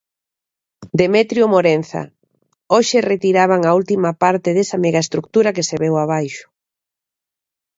Demetrio Morenza, hoxe retiraban a última parte desa megaestrutura que se veu abaixo...